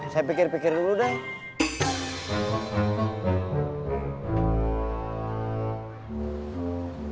saya pikir pikir dulu deh